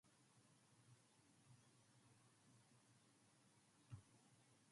However, fecal antigen is detectable only for a short time after infection.